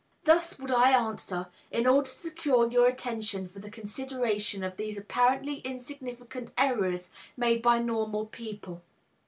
Thus would I answer, in order to secure your attention for the consideration of these apparently insignificant errors made by normal people.